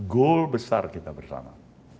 goal besar kita bersama